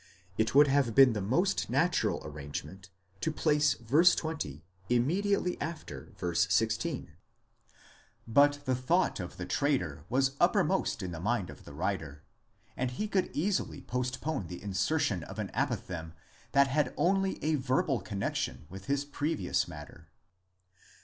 It would have been the most natural arrangement to place v. 20 immediately after v. 16; but the thought of the traitor was uppermost in the mind of the writer. and he could easily postpone the insertion of an apophthegm that had only a verbal connexion with his. previous matter.